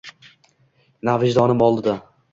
Na vijdonim oldida.